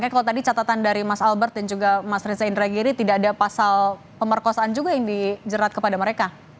kalau tadi catatan dari mas albert dan juga mas reza indragiri tidak ada pasal pemerkosaan juga yang dijerat kepada mereka